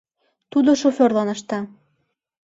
Тудо шоферлан ышта.